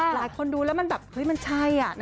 หลายคนดูแล้วมันแฮ่มันใช่อะ